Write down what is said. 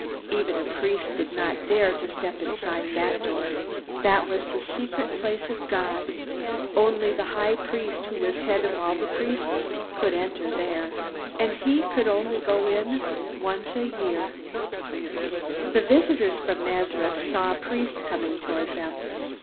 Even a priest did not dare to step inside that door. That was the secret place of God. Only the high priest, who was head of all the priests, could enter there. And he could go in only once a year. The visitors from Nazareth saw a priest coming toward them.